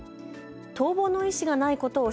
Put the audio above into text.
逃亡の意思がないことを